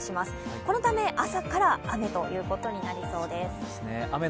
このため、朝から雨ということになりそうです。